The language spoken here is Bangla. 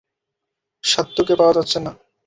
সাত্তুকে পাওয়া যাচ্ছে না।